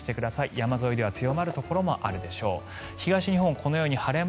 山沿いでは強まるところもあるでしょう。